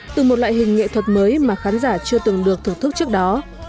từ một loại hình nghệ thuật mới mà khán giả chưa từng được thưởng thức trước đó